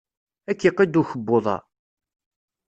Ad k-iqidd ukebbuḍ-a.